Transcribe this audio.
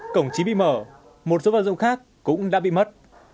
cổng trí bị mở một số vật dụng khác cũng đã bị mất